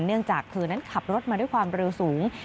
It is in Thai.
เนื่องจากเธอนั้นขับรถมาด้วยความเร็วสูง